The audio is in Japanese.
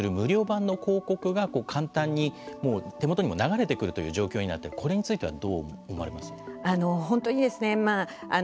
ＶＴＲでも著名人が出演する無料版の広告が簡単に手元にも流れてくるという状況になってこれについてはどう思われますか。